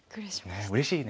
ねえうれしいね。